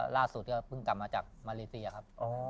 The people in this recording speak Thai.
แล้วสุดก็กลับมาจากมาเลเซียนะครับ